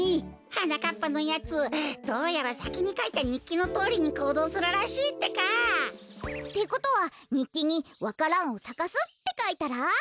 はなかっぱのやつどうやらさきにかいたにっきのとおりにこうどうするらしいってか。ってことはにっきに「わか蘭をさかす」ってかいたら？